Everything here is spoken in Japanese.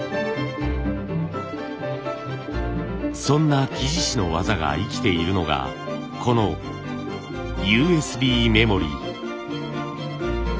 そんな木地師の技が生きているのがこのＵＳＢメモリー。